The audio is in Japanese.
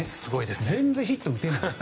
全然ヒットを打てない。